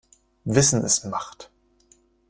Wissen ist Macht.